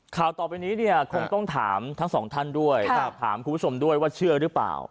ข่าวต่อไปนี้เนี่ยคงต้องถามทั้งสองท่านด้วยถามคุณผู้ชมด้วยว่าเชื่อหรือเปล่า